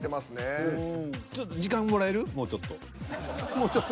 もうちょっと。